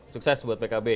sukses buat pkb